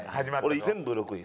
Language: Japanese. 俺全部６位。